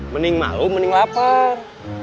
mending malu mending lapar